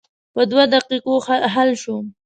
په دوه دقیقو حل شوه.